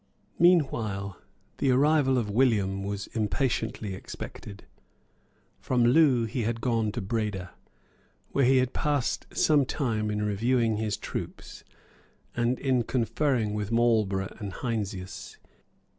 Meanwhile the arrival of William was impatiently expected. From Loo he had gone to Breda, where he had passed some time in reviewing his troops, and in conferring with Marlborough and Heinsius.